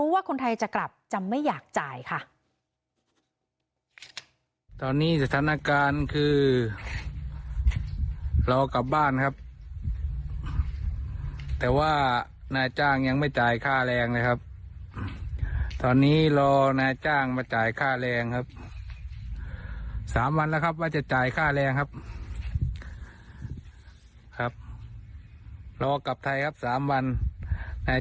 ว่าจะจ่ายค่าแรงครับครับรอกลับไทยครับสามวันนาย